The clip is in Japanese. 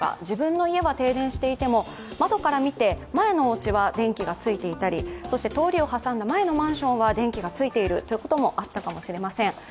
自分の家は停電していても窓から見て前のおうちは電気がついていたり通りを挟んだ前のマンションは電気がついているということもあったかもしれません。